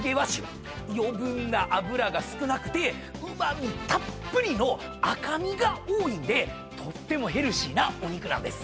余分な脂が少なくてうま味たっぷりの赤身が多いんでとってもヘルシーなお肉なんです。